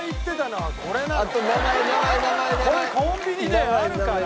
これコンビニであるから！